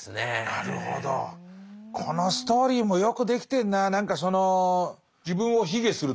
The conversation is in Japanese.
このストーリーもよくできてんな。